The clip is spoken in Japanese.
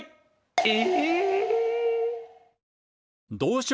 え！